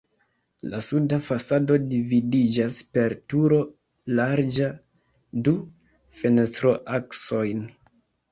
La suda fasado dividiĝas per turo larĝa du fenestroaksojn.